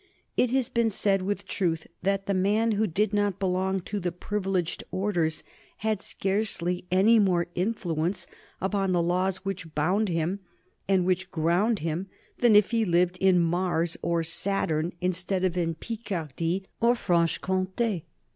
It has been said with truth that the man who did not belong to the privileged orders had scarcely any more influence upon the laws which bound him and which ground him than if he lived in Mars or Saturn instead of in Picardy or Franche Comté.